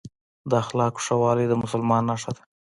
د اخلاقو ښه والي د مسلمان نښه ده.